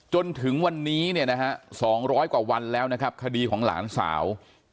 จนถึงวันนี้เนี่ยนะฮะ๒๐๐กว่าวันแล้วนะครับคดีของหลานสาว